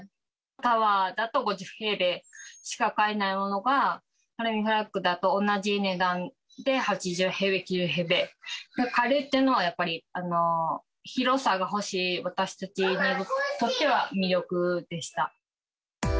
タワーだと５０平米しか買えないものが、ハルミフラッグだと、同じ値段で８０平米、９０平米が買えるっていうのは、やっぱり広さが欲しい私たちにとっては魅力でした。